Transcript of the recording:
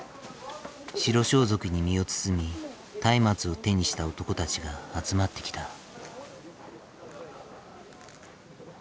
白装束に身を包み松明を手にした男たちが集まってきた。